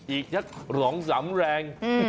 อีกละ๒๓แรง